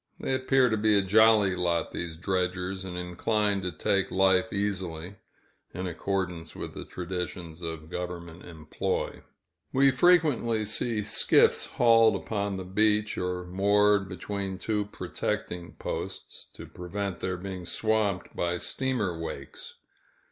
They appear to be a jolly lot, these dredgers, and inclined to take life easily, in accordance with the traditions of government employ. We frequently see skiffs hauled upon the beach, or moored between two protecting posts, to prevent their being swamped by steamer wakes.